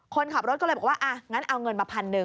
คนขับรถก็เลยบอกว่างั้นเอาเงินมา๑๐๐๐บาท